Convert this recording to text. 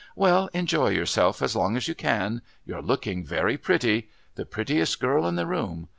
"Well, enjoy yourself as long as you can. You're looking very pretty. The prettiest girl in the room.